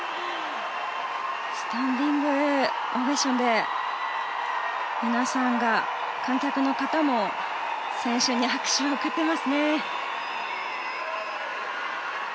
スタンディングオベーションで皆さんが観客の方も選手に拍手を送っていますね。